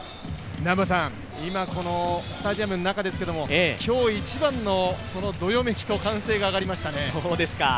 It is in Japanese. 今、このスタジアムの中ですけど、今日一番のどよめきと歓声が上がりましたね。